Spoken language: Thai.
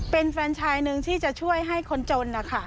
เป็นแฟนชายหนึ่งที่จะช่วยให้คนจนนะคะ